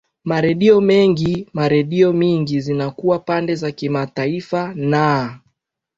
ma redio mengi ma redio mingi zinakuwa pande za kimataifa naa